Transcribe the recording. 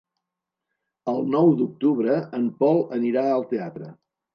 El nou d'octubre en Pol anirà al teatre.